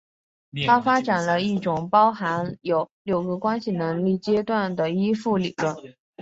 他发展了一种包含有六个关系能力阶段的依附理论。